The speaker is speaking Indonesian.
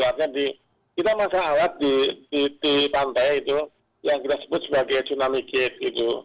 artinya kita masak alat di pantai itu yang kita sebut sebagai tsunami gate gitu